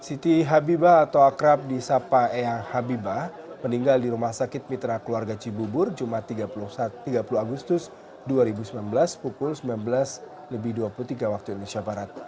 siti habibah atau akrab di sapa eyang habibah meninggal di rumah sakit mitra keluarga cibubur jumat tiga puluh agustus dua ribu sembilan belas pukul sembilan belas lebih dua puluh tiga waktu indonesia barat